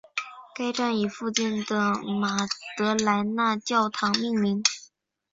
该站以附近的马德莱娜教堂命名。